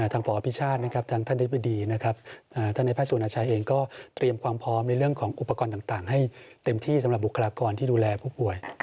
ทางผอพิชาตินะครับทางท่านฤทธิบดีนะครับ